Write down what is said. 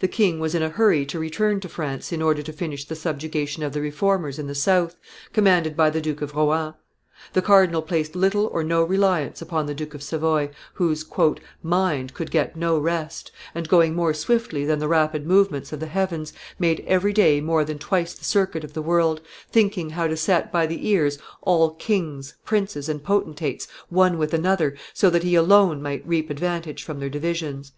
The king was in a hurry to return to France in order to finish the subjugation of the Reformers in the south, commanded by the Duke of Rohan. The cardinal placed little or no reliance upon the Duke of Savoy, whose "mind could get no rest, and going more swiftly than the rapid movements of the heavens, made every day more than twice the circuit of the world, thinking how to set by the ears all kings, princes, and potentates, one with another, so that he alone might reap advantage from their divisions.